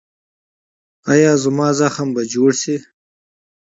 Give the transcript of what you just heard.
ایا زما زخم به جوړ شي؟